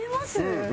うん。